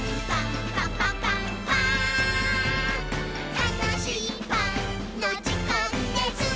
「たのしいパンのじかんです！」